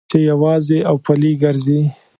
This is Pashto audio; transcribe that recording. چې یوازې او پلي ګرځې.